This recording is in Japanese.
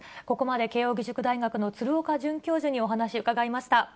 ここまで慶応義塾大学の鶴岡准教授にお話伺いました。